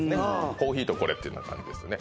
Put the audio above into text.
コーヒーとこれって感じですね